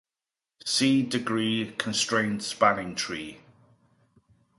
See Degree-Constrained Spanning Tree.